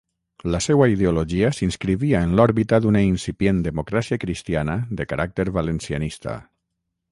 La seua ideologia s'inscrivia en l'òrbita d'una incipient democràcia cristiana de caràcter valencianista.